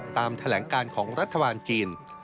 ตามแถลงการของรัฐบาลจีน